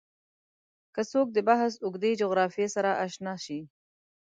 که څوک د بحث اوږدې جغرافیې سره اشنا شي